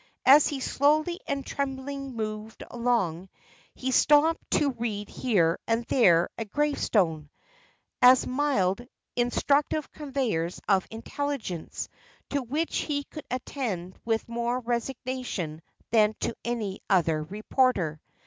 As he slowly and tremblingly moved along, he stopped to read here and there a gravestone; as mild, instructive conveyers of intelligence, to which he could attend with more resignation, than to any other reporter.